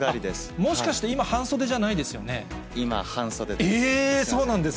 もしかして、今、半袖じゃな今、半袖です。